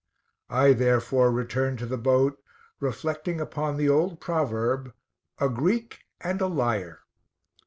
I therefore returned to the boat, reflecting upon the old proverb, "A Greek and a liar."